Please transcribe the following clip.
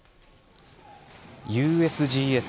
ＵＳＧＳ